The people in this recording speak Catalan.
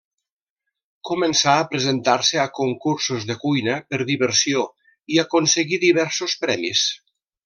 Començà a presentar-se a concursos de cuina per diversió i aconseguí diversos premis.